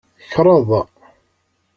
Kreḍ.